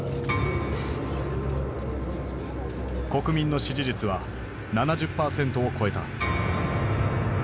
国民の支持率は７０％を超えた。